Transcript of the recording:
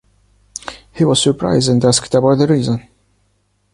He was surprised and asked about the reason.